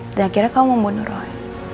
dan akhirnya kamu membunuh roy